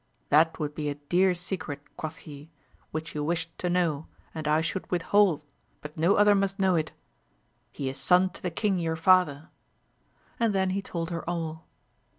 That would be a dear secret, quoth he, which you wished to know, and I should withhold, but no other must know it : he is son to the king your father 1 and then he told her all.